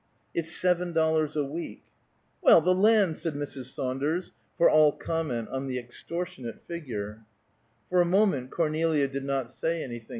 "It's seven dollars a week." "Well, the land!" said Mrs. Saunders, for all comment on the extortionate figure. For a moment Cornelia did not say anything.